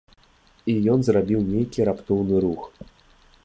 І ён зрабіў нейкі раптоўны рух.